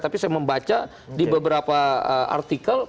tapi saya membaca di beberapa artikel